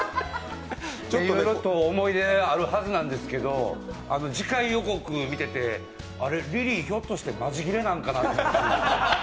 いろいろと思い出あるはずなんですけど、次回予告、見てて、あれ、リリー、ひょっとしてマジギレなのかなと。